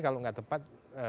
kalau tidak tepat